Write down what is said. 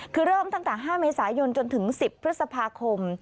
คือเริ่มตั้งแต่๕เมษายนจนถึง๑๐พฤษภาคม